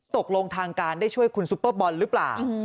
ตกลงทางการได้ช่วยคุณซุปเปอร์บอลหรือเปล่า